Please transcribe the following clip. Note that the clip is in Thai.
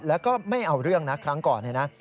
แล้วก็ไม่เอาเรื่องนะครั้งก่อนเลยนะ